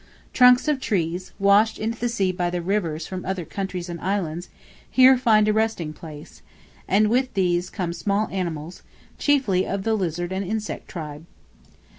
Trunks of trees, washed into the sea by the rivers from other countries and islands, here find a resting place, and with these come some small animals, chiefly of the lizard and insect tribe.